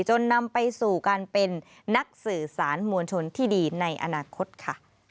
จนนำไปสู่การเป็นนักสื่อสารมวลชนที่ดีในอนาคตค่ะ